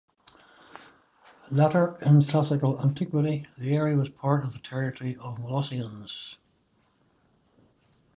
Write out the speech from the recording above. Latter in classical antiquity, the area was part of the territory of the Molossians.